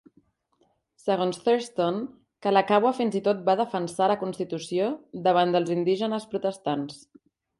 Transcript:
Segons Thurston, Kalakaua fins i tot va defensar la constitució davant dels indígenes protestants.